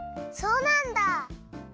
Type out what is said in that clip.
そうなんだ！